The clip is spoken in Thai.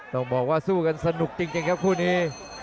ต้องบอกว่าสู้กันสนุกจริงครับคู่นี้